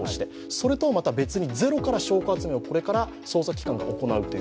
それとはまた別にゼロから証拠集めをこれから捜査機関が行うという？